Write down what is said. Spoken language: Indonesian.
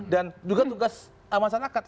dan juga tugas masyarakat